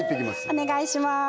お願いします